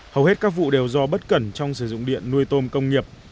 hầu hết các vụ đều do bất cẩn trong sử dụng điện nuôi tôm công nghiệp